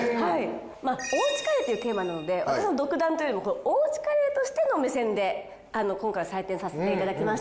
まあおうちカレーっていうテーマなので私の独断というよりもおうちカレーとしての目線で今回は採点させて頂きました。